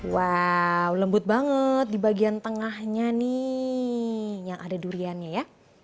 wow lembut banget di bagian tengahnya nih yang ada duriannya ya